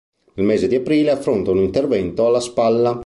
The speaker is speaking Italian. Nel mese di aprile affronta un intervento alla spalla.